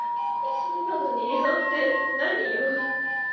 それなのに依存って何よ。